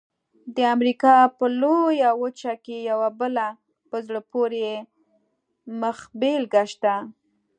د امریکا په لویه وچه کې یوه بله په زړه پورې مخبېلګه شته.